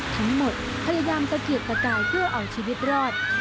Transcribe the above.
ทั้งหมดพยายามตะเกียกตะกายเพื่อเอาชีวิตรอด